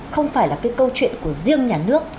không phải là cái câu chuyện của riêng nhà nước